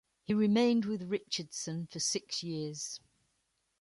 He remained with Richardson for six years.